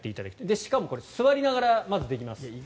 しかも、座りながらできます。